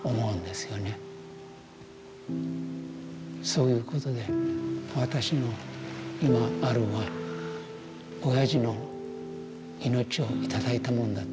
そういうことで私の今あるのは親父の命をいただいたものだと。